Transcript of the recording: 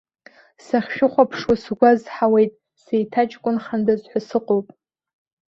Сахьшәыхәаԥшуа сгәы азҳауеит, сеиҭаҷкәынхандаз ҳәа сыҟоуп!